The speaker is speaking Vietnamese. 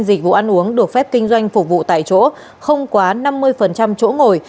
dịch vụ ăn uống được phép kinh doanh phục vụ tại chỗ không quá năm mươi chỗ ngồi